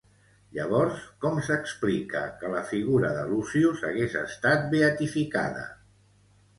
Llavors, com s'explica que la figura de Lucius hagués estat beatificada?